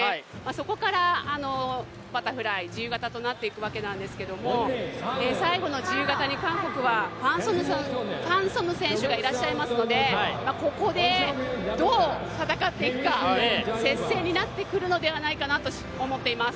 そこからバタフライ、自由形となっていくわけなんですけど最後の自由形に韓国はファン・ソヌ選手がいらっしゃいますのでここでどう戦っていくか、接戦になってくるのではないかなと思っています。